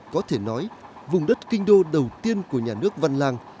có thể nói vùng đất kinh đô đầu tiên của nhà nước văn lang